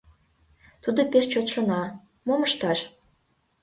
Тудо пеш чот шона: мом ышташ?